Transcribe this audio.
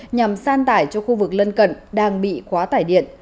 nhằm san tải cho khu vực lân cận đang bị quá tải điện